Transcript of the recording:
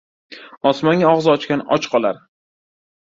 Osmonga og'iz ochgan och qolar.